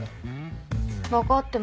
分かってますよ。